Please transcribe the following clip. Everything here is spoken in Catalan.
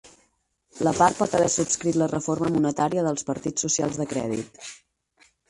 La part pot haver subscrit la reforma monetària dels partits socials de crèdit.